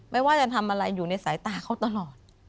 ไม่ว่าจะทำอะไรอยู่ในสายตาเขาตลอด